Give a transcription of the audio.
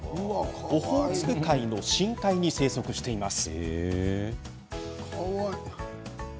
オホーツク海の深海に生息しています。